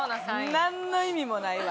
なんの意味もないわ。